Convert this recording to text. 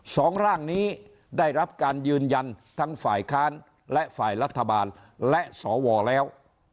สองร่างนี้ได้รับการยืนยันทั้งฝ่ายค้านและฝ่ายรัฐบาลและสวแล้ว